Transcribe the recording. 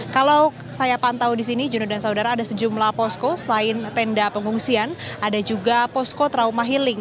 kalau saya pantau di sini juno dan saudara ada sejumlah posko selain tenda pengungsian ada juga posko trauma healing